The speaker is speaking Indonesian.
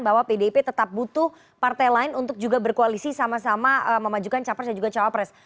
bahwa pdip tetap butuh partai lain untuk juga berkoalisi sama sama memajukan capres dan juga cawapres